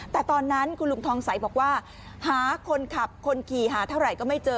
แต่ตอนนั้นคุณลุงทองใสบอกว่าหาคนขับคนขี่หาเท่าไหร่ก็ไม่เจอ